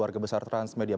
terima kasih terima kasih